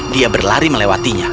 dia berlari melewatinya